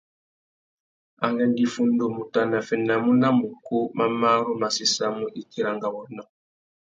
Angüêndô iffundu, mutu a naffénamú nà mukú mà marru má séssamú itsi râ ngawôrénô.